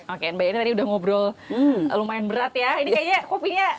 oke mbak yana tadi udah ngobrol lumayan berat ya ini kayaknya kopinya